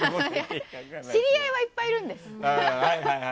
知り合いはいっぱいいるんです。